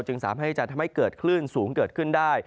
สามารถให้จะทำให้เกิดคลื่นสูงเกิดขึ้นได้